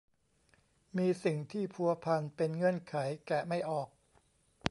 มีสิ่งที่พัวพันเป็นเงื่อนไขแกะไม่ออก